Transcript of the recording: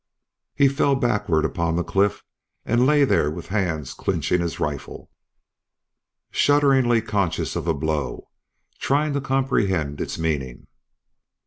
He fell backward upon the cliff and lay there with hands clinching his rifle, shudderingly conscious of a blow, trying to comprehend its meaning.